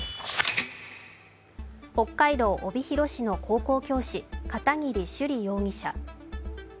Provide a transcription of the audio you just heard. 北海道帯広市の高校教師片桐朱璃容疑者。